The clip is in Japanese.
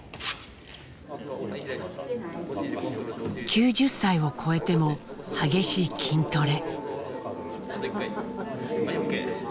９０歳をこえても激しい筋トレ。